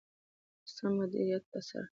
په سم مدیریت سره.